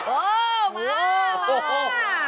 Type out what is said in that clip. โอ้มามา